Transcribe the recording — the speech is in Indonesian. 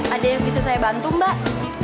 ada yang bisa saya bantu mbak